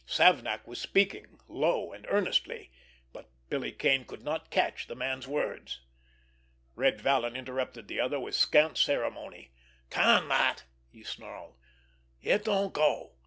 Savnak was speaking, low and earnestly, but Billy Kane could not catch the man's words. Red Vallon interrupted the other with scant ceremony. "Can that!" he snarled. "It don't go!